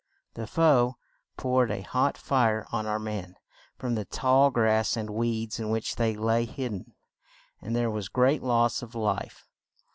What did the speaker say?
The foe poured a hot fire on our men from the tall grass and weeds in which they lay hid den; and there was great loss of life.